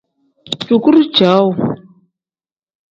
Dukuru cowuu.